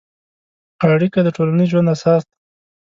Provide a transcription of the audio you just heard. اړیکه د ټولنیز ژوند اساس دی.